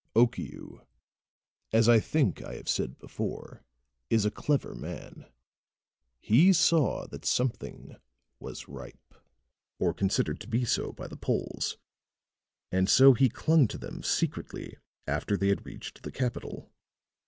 Okiu, as I think I have said before, is a clever man. He saw that something was ripe, or considered to be so by the Poles, and so he clung to them secretly after they had reached the capital.